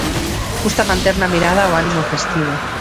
Custar manter na mirada o ánimo festivo.